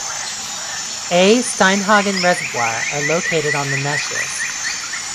A. Steinhagen Reservoir are located on the Neches.